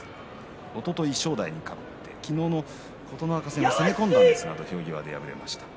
おととい正代に勝って昨日の琴ノ若戦も攻め込んだんですが土俵際で敗れました。